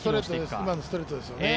今のストレートですよね。